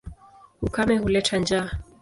Ukame huleta njaa.